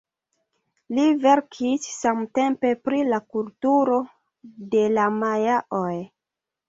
Li verkis samtempe pri la kulturo de la majaoj.